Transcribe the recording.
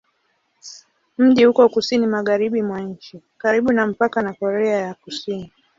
Mji uko kusini-magharibi mwa nchi, karibu na mpaka na Korea ya Kusini.